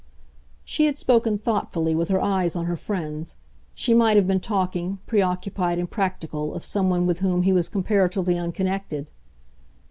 She had spoken thoughtfully, with her eyes on her friend's; she might have been talking, preoccupied and practical, of someone with whom he was comparatively unconnected.